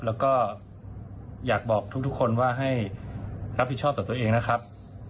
แล้วก็อยากบอกทุกคนว่าให้รับผิดชอบต่อตัวเองนะครับ